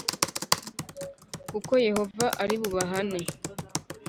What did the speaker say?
Kuko yehova ari bubahane